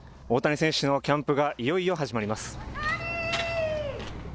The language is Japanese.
大谷選手のキャンプがいよいよ始まります。